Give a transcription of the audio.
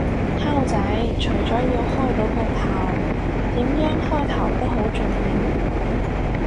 溝仔，除咗要開到個頭，點樣開頭都好重要